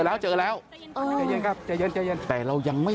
อยากจะเห็นว่าลูกเป็นยังไงอยากจะเห็นว่าลูกเป็นยังไง